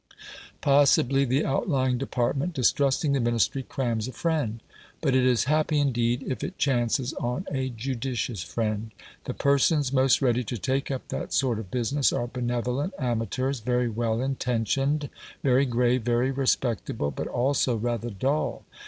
Possibly the outlying department, distrusting the Ministry, crams a friend. But it is happy indeed if it chances on a judicious friend. The persons most ready to take up that sort of business are benevolent amateurs, very well intentioned, very grave, very respectable, but also rather dull.